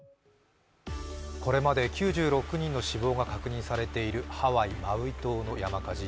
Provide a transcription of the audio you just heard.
これまで９６人の死亡が確認されているハワイ・マウイ島の山火事。